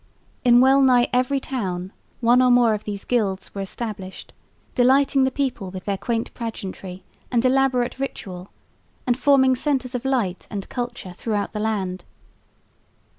In well nigh every town one or more of these "gilds" were established, delighting the people with their quaint pageantry and elaborate ritual, and forming centres of light and culture throughout the land.